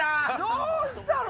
どうしたの？